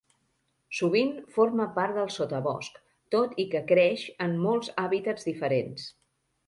Sovint forma part del sotabosc, tot i que creix en molts hàbitats diferents.